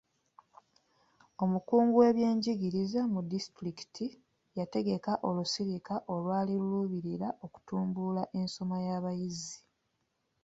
Omukungu w'ebyenjigiriza mu disitulikiti yategeka olusirika olwali luluubirira okutumbula ensoma y'abayizi.